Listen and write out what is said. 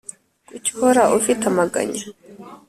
Kuki uhora ufite amaganya